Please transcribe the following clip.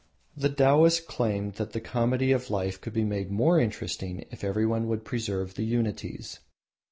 The Taoists claimed that the comedy of life could be made more interesting if everyone would preserve the unities.